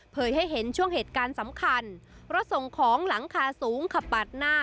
ให้เห็นช่วงเหตุการณ์สำคัญรถส่งของหลังคาสูงขับปาดหน้า